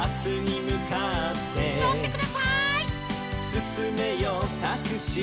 「すすめよタクシー」